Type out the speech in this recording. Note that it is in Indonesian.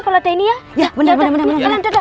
kalo ada ini ya ya bener bener bener